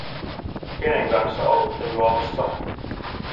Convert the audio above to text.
Kenen kanssa olutta juomassa?